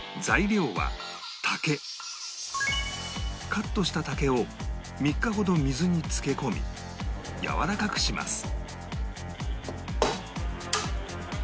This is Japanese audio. カットした竹を３日ほど水に浸け込みやわらかくします